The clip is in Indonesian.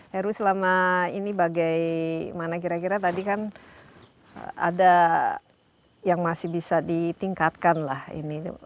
heru selama ini bagaimana kira kira tadi kan ada yang masih bisa ditingkatkan lah ini